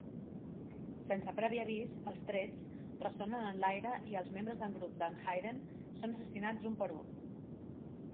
Sense previ avís, els trets ressonen en l'aire i els membres del grup d'en Hiden són assassinats un per un.